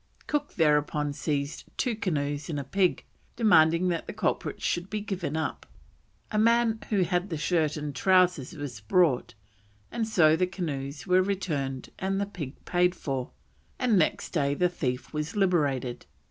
Cook thereupon seized two canoes and a pig, demanding that the culprits should be given up. A man who had the shirt and trousers was brought, and so the canoes were returned and the pig paid for, and next day the thief was liberated.